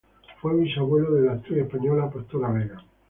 Fue bisabuela de la actriz española Pastora Vega.